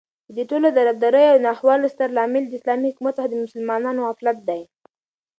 ددې ټولو دربدريو او ناخوالو ستر لامل داسلامې حكومت څخه دمسلمانانو غفلت دى